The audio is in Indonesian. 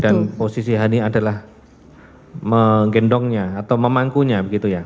dan posisi hani adalah menggendongnya atau memangkunya begitu ya